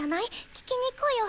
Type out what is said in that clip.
聴きに行こうよ。